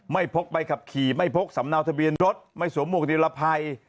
ไม่พกใบขับขี่ไม่พกสำนาจทะเบียนรถไม่สวมบุคดีรภัย